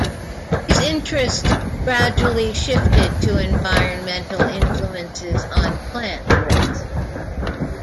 His interest gradually shifted to environmental influences on plant growth.